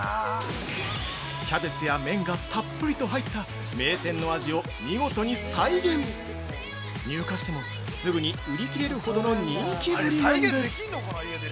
キャベツや麺がたっぷりと入った名店の味を見事に再現入荷しても、すぐに売り切れるほどの人気ぶりなんです。